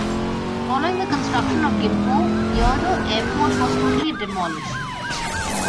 Following the construction of Gimpo, Yeouido Airport was totally demolished.